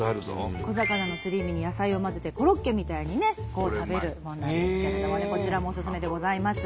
小魚のすり身に野菜を混ぜてコロッケみたいにね食べるもんなんですけれどもねこちらもオススメでございます。